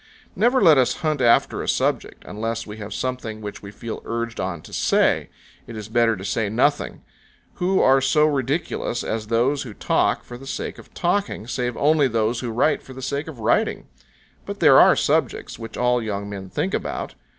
Never let us hunt after a subject, unless we have something which we feel urged on to say, it is better to say nothing; who are so ridiculous as those who talk for the sake of talking, save only those who write for the sake of writing? But there are subjects which all young men think about.